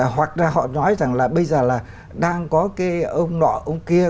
hoặc ra họ nói rằng là bây giờ là đang có cái ông nọ ông kia